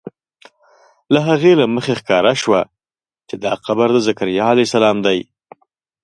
له هغې له مخې ښکاره شوه چې دا قبر د ذکریا علیه السلام دی.